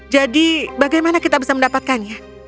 jadi bagaimana kita bisa mencuri